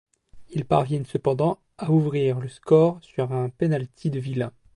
Ils parviennent cependant à ouvrir le score sur un pénalty de Villa.